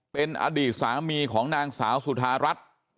เป็นอดีตสามีของนางสาวสุธารัฐ